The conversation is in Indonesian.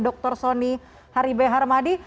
dr sony haribeharmadi